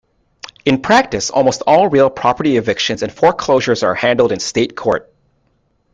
In practice, almost all real property evictions and foreclosures are handled in state court.